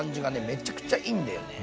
めっちゃくちゃいいんだよね。